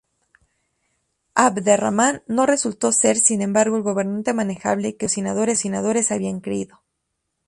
Abderramán no resultó ser, sin embargo, el gobernante manejable que sus patrocinadores habían creído.